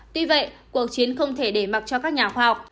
tuy vậy cuộc chiến không thể để mặc cho các nhà khoa học